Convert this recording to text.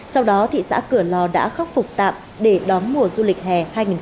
sau đó thị xã cửa lò đã khắc phục tạm để đón mùa du lịch hè hai nghìn hai mươi bốn